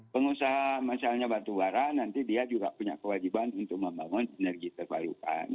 pengusaha misalnya batubara nanti dia juga punya kewajiban untuk membangun energi terbarukan